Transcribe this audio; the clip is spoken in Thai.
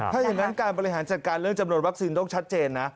ถ้าอย่างนั้นการบริหารจัดการเรื่องจำนวนวัคซีนต้องชัดเจนนะ